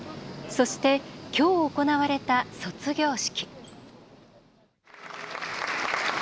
そして今日行われた卒業式。